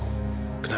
singkat sirih keluar